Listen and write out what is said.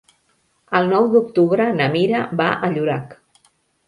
El nou d'octubre na Mira va a Llorac.